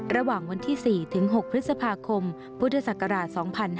ระหว่างวันที่๔๖พฤษภาคมพุทธศักราช๒๕๕๙